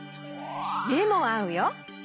めもあうよ。